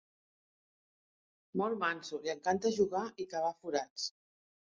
Molt manso, li encanta jugar i cavar forats.